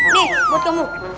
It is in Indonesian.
nih buat kamu